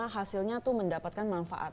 hasilnya tuh mendapatkan manfaat